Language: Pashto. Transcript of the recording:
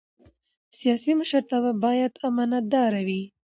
سیاسي مشرتابه باید امانتدار وي